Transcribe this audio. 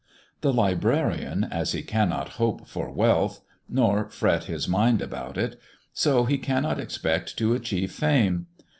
The Librarian, as he cannot hope for Wealth ( nor fret his Mind about it), so he cannot expect to achieve Fame.